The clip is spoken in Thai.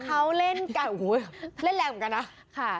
เขาเล่นแรงเหมือนกันนะ